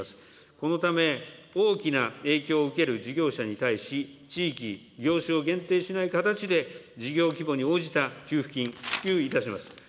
このため、大きな影響を受ける事業者に対し、地域、業種を限定しない形で、事業規模に応じた給付金、支給いたします。